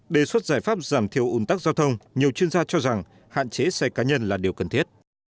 đề xuất giải pháp giảm thiểu ủn tắc giao thông nhiều chuyên gia cho rằng hạn chế xe cá nhân là điều cần thiết